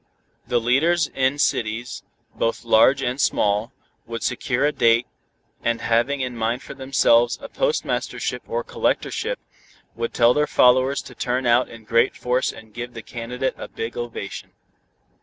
The leaders in cities, both large and small, would secure a date and, having in mind for themselves a postmastership or collectorship, would tell their followers to turn out in great force and give the candidate a big ovation.